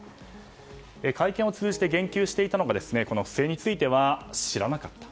会見を通じて言及していたのが不正については知らなかった。